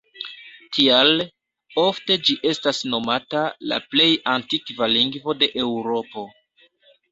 Tial, ofte ĝi estas nomata "la plej antikva lingvo de Eŭropo".